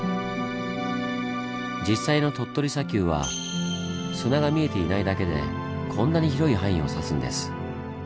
実際の鳥取砂丘は砂が見えていないだけでこんなに広い範囲を指すんです。